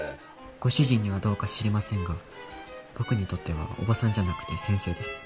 ご主人にはどうか知りませんが僕にとってはおばさんじゃなくて先生です。